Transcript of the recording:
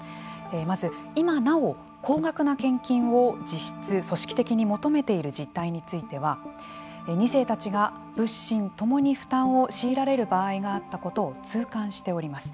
まず、今なお高額な献金を実質、組織的に求めている実態については２世たちが物心ともに負担を強いられる場合があったことを痛感しております。